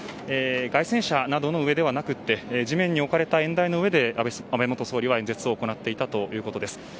街宣車などの上ではなくて地面に置かれた演台の上で安倍元総理は演説を行っていたということです。